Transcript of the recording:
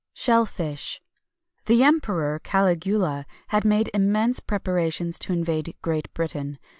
[XXI 212] SHELL FISH. The Emperor Caligula had made immense preparations to invade Great Britain.